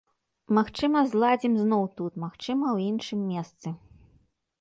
Магчыма зладзім зноў тут, магчыма, у іншым месцы.